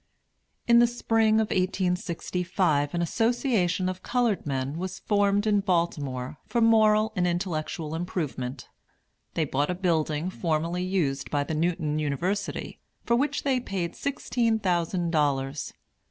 In the spring of 1865 an association of colored men was formed in Baltimore for moral and intellectual improvement. They bought a building formerly used by the Newton University, for which they paid sixteen thousand dollars.